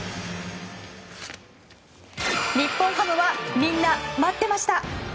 日本ハムはみんな待ってました。